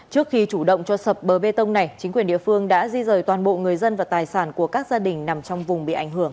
trước khi chủ động cho sập bờ bê tông này chính quyền địa phương đã di rời toàn bộ người dân và tài sản của các gia đình nằm trong vùng bị ảnh hưởng